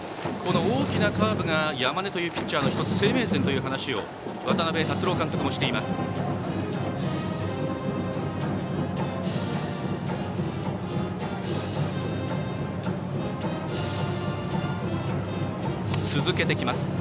大きなカーブが山根というピッチャーの１つ、生命線という話を渡辺達郎監督もしています。